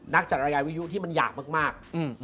นักจัดรายายวิยุที่มันหยาบมาก